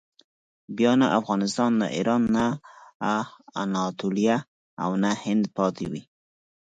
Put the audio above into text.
بیا نه افغانستان، نه ایران، نه اناتولیه او نه هند پاتې وي.